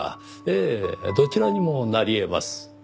ええどちらにもなり得ます。